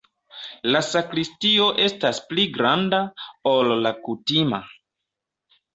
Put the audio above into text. La sakristio estas pli granda, ol la kutima.